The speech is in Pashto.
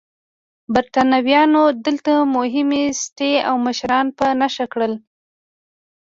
برېټانویانو دلته مهمې سټې او مشران په نښه کړل.